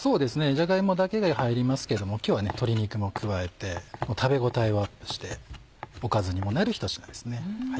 じゃが芋だけが入りますけども今日は鶏肉も加えて食べ応えをアップしておかずにもなるひと品ですね。